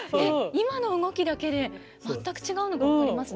今の動きだけで全く違うのが分かりますね。